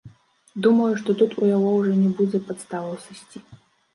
Думаю, што тут у яго ўжо не будзе падставаў сысці.